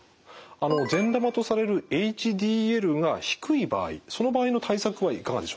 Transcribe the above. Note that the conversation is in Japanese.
善玉とされるＨＤＬが低い場合その場合の対策はいかがでしょう？